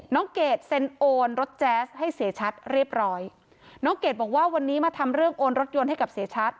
เกดเซ็นโอนรถแจ๊สให้เสียชัดเรียบร้อยน้องเกดบอกว่าวันนี้มาทำเรื่องโอนรถยนต์ให้กับเสียชัด